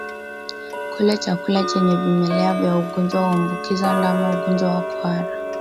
Kula chakula chenye vimelea vya ugonjwa huambukiza ndama ugonjwa wa kuhara